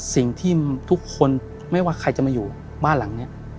สิ่งที่ทุกคนไม่ว่าใครจะมาอยู่บ้านหลังนี้